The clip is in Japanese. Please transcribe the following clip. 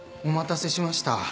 お待たせしました。